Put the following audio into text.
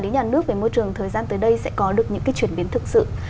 những cái chuyển biến thực sự